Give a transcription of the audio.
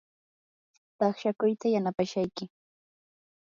taqshakuyta yanapashayki.